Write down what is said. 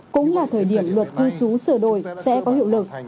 cũng là thời điểm luật cư trú sửa đổi sẽ có hiệu lực